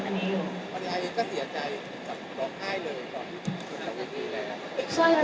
คนไทยก็เสียใจกับร้องไห้เลย